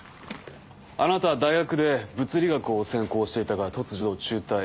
あなたは大学で物理学を専攻していたが突如中退。